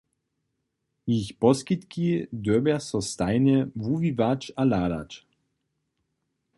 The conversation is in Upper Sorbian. Jich poskitki dyrbja so stajnje wuwiwać a hladać.